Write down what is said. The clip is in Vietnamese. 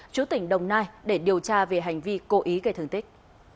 chú tỉnh đồng nai để điều tra về hành vi cố ý gây thương tích